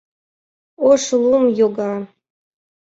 Ош лум йога.